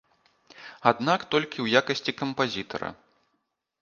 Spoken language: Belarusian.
Аднак толькі ў якасці кампазітара.